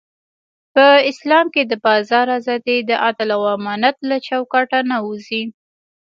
په اسلام کې د بازار ازادي د عدل او امانت له چوکاټه نه وځي.